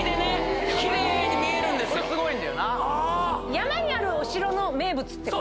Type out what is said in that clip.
山にあるお城の名物ってこと？